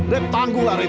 rep tanggulah rep